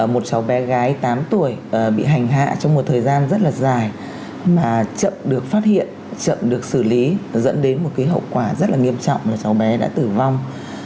một cháu bé gái tám tuổi bị hành hạ trong một thời gian rất là dài mà chậm được phát hiện chậm được xử lý dẫn đến một hậu quả rất là nghiêm trọng là cháu bé đã tử vong